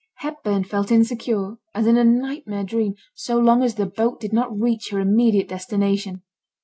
Hepburn felt insecure, as in a nightmare dream, so long as the boat did not reach her immediate destination.